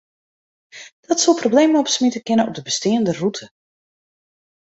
Dat soe problemen opsmite kinne op de besteande rûte.